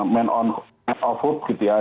men on hope gitu ya